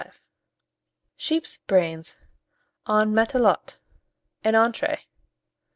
SHEEP'S BRAINS, EN MATELOTE (an Entree).